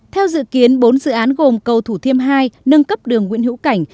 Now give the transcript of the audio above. theo dự kiến bốn dự án gồm cầu thủ thiêm hai nâng cấp đường nguyễn hữu cảnh